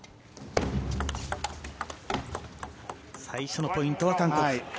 最初のポイントは韓国。